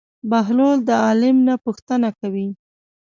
بهلول د عالم نه پوښتنه کوي.